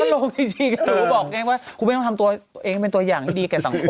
มันลงจริงแต่ครูบอกเอ็งว่าครูก็ไม่ต้องทำตัวเองแต่เป็นตัวอย่างที่ดีกันต่าง